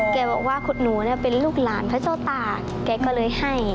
แกบอกว่าขุดหนูเนี่ยเป็นลูกหลานพระเจ้าตาแกก็เลยให้